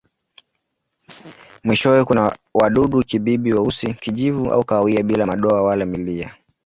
Mwishowe kuna wadudu-kibibi weusi, kijivu au kahawia bila madoa wala milia.